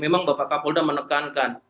memang bapak kapolda menekankan